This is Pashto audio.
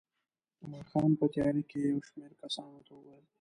د ماښام په تیاره کې یې یو شمېر کسانو ته وویل.